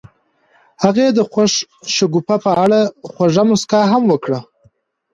هغې د خوښ شګوفه په اړه خوږه موسکا هم وکړه.